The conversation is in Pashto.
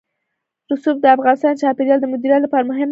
رسوب د افغانستان د چاپیریال د مدیریت لپاره مهم دي.